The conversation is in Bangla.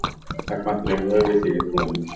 একমাত্র এভাবেই বেঁচে গেছি আমি।